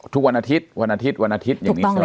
ทุกวันอาทิตย์วันอาทิตย์วันอาทิตย์อย่างนี้ใช่ไหม